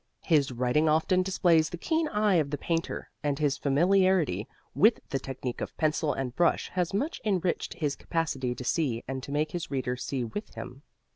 His writing often displays the keen eye of the painter, and his familiarity with the technique of pencil and brush has much enriched his capacity to see and to make his reader see with him.